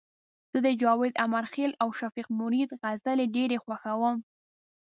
زه د جاوید امرخیل او شفیق مرید غزلي ډيري خوښوم